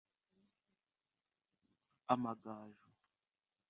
Amagaju